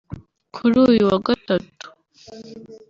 kuri uyu wa gatatu